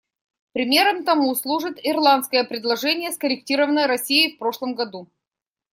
Примером тому служит ирландское предложение, скорректированное Россией в прошлом году.